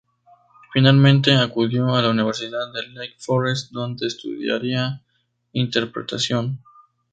Finalmente, acudió a la Universidad de Lake Forest, donde estudiaría interpretación.